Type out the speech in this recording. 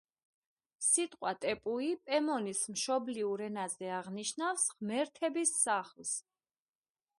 სიტყვა „ტეპუი“ პემონის მშობლიურ ენაზე აღნიშნავს „ღმერთების სახლს“.